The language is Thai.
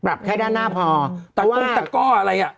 ปรับแค่ด้านหน้าพอว่าแต่ก็อะไรอะ